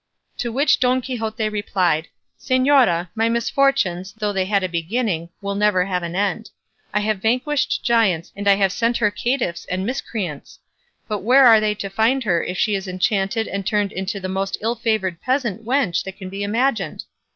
To which Don Quixote replied, "Señora, my misfortunes, though they had a beginning, will never have an end. I have vanquished giants and I have sent her caitiffs and miscreants; but where are they to find her if she is enchanted and turned into the most ill favoured peasant wench that can be imagined?"